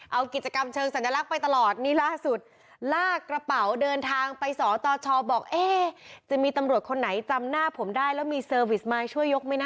เอากิจกรรมเชิงสัญลักษณ์ไปตลอดนี่ล่าสุดลากกระเป๋าเดินทางไปสตชบอกเอ๊ะจะมีตำรวจคนไหนจำหน้าผมได้แล้วมีเซอร์วิสมายช่วยยกไหมนะ